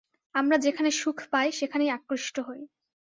আমরা যেখানে সুখ পাই, সেখানেই আকৃষ্ট হই।